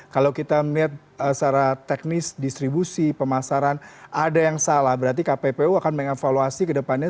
kalau kita melihat secara teknis distribusi pemasaran ada yang salah berarti kppu akan mengevaluasi ke depannya